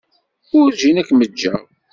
Werǧin ad kem-ǧǧeɣ.